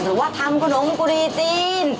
หรือว่าทำขนมกุหรี่จีน